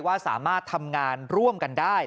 ว่าสามารถทำงานร่วมกันได้